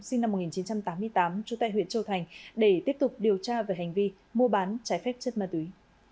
sinh năm một nghìn chín trăm tám mươi tám trú tại huyện châu thành để tiếp tục điều tra về hành vi mua bán trái phép chất ma túy